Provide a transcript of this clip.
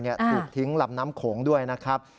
ถูกทิ้งลำน้ำโขงด้วยนะครับ